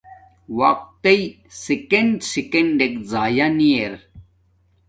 وقت تݵ سکینڈ سلینڈ ضایانی ار